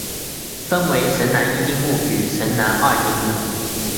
分为神南一丁目与神南二丁目。